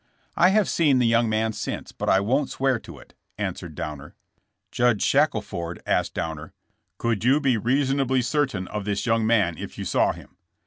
"I have seen the young man since, but I won't swear to it, '' answered Downer. Judge Shackleford asked Downer: "Could you be reasonably certain of this young man if you saw him?"